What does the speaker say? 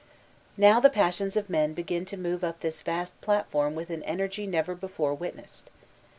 Now the P^issions of men begin to move upon tfdi vast platform with an energy never before witnessed.